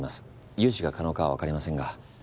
融資が可能かはわかりませんが。